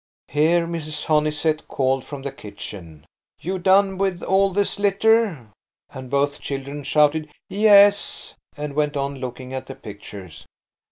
Here Mrs. Honeysett called from the kitchen, "You done with all this litter?" and both children shouted "Yes!" and went on looking at the pictures.